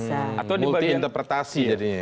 multi interpretasi jadinya ya